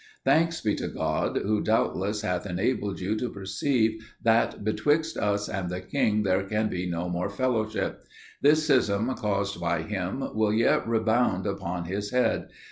Thanks be to God, who doubtless hath enabled you to perceive that betwixt us and the king there can be no more fellowship. This schism caused by him will yet rebound upon his head.